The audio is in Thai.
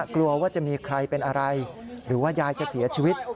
กลัวว่าจะมีใครเป็นอะไรหรือว่ายายจะเสียชีวิต